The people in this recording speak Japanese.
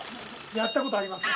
「やったことあります？」